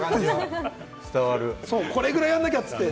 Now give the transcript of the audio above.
これくらいはやらなきゃって言って。